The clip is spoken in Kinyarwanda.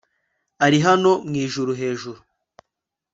Ari hano mu ijuru hejuru